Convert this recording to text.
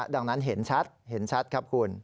ดังนั้นเห็นชัดครับคุณ